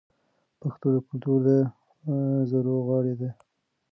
پښتو د کلتور د زرو غاړه ده.